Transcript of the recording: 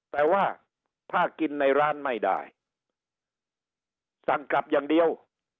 แต่ว่าถ้ากินในร้านไม่ได้สั่งกลับอย่างเดียว